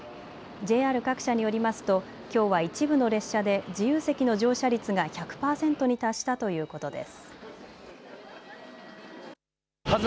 ＪＲ各社によりますと、きょうは一部の列車で自由席の乗車率が１００％に達したということです。